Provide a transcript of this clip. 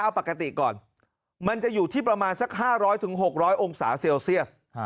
เอาปกติก่อนมันจะอยู่ที่ประมาณสัก๕๐๐๖๐๐องศาเซลเซียส